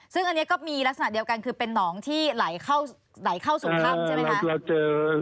ซึ่งอันนี้ก็มีลักษณะเดียวกันคือเป็นหนองที่ไหลเข้าสู่ถ้ำใช่ไหมคะ